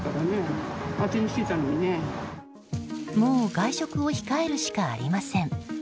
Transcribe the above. もう外食を控えるしかありません。